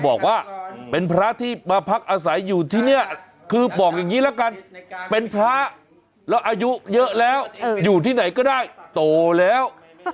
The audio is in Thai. บอกว่าเป็นพระที่มาพักอาศัยอยู่ที่นี่คือบอกอย่างนี้ละกันเป็นพระแล้วอายุเยอะแล้วอยู่ที่ไหนก็ได้โตแล้ว